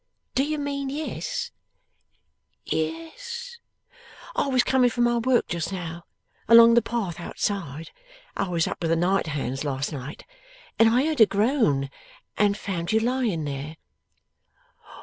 'Do you mean Yes?' 'Yes.' 'I was coming from my work just now, along the path outside (I was up with the night hands last night), and I heard a groan, and found you lying here.